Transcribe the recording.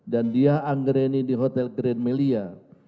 dan diah anggreni di hotel grand melia